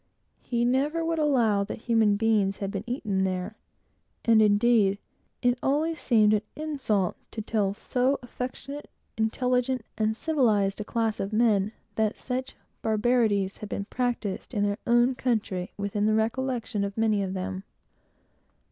He never would allow that human beings had been eaten there; and, indeed, it always seemed like an insult to tell so affectionate, intelligent, and civilized a class of men, that such barbarities had been practised in their own country within the recollection of many of them.